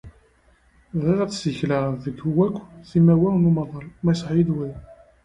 Bɣiɣ ad ssikleɣ deg wakk timiwa n umaḍal, ma iṣaḥ-iyi-d waya.